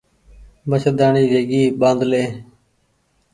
مڇهرداڻي ويگي ٻآڌلي